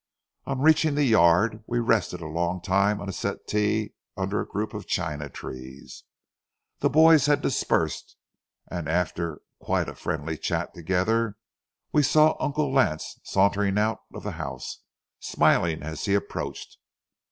On reaching the yard, we rested a long time on a settee under a group of china trees. The boys had dispersed, and after quite a friendly chat together, we saw Uncle Lance sauntering out of the house, smiling as he approached.